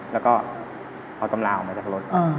แล้วก็เอาตำราออกมาจากรถ